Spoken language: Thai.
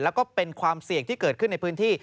แล้วก็เป็นความเสี่ยงที่เกิดขึ้นในพื้นที่